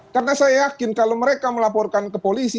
karena saya yakin kalau mereka melaporkan ke polisi